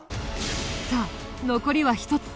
さあ残りは１つ。